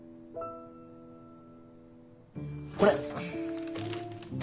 これ。